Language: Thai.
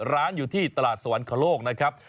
ร้านอยู่ที่ตลาดสวรรคโลกนะครับ